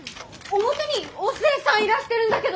表にお寿恵さんいらしてるんだけど！